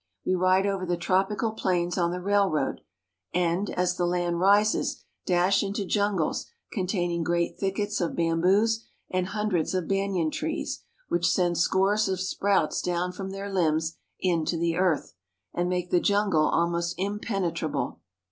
We ride over the tropical plains on the railroad, and, as the land rises, dash into jun gles containing great thickets of bamboos and hundreds of banyan trees, which send scores of sprouts down from their limbs into the earth, and make the jungle almost impene trable.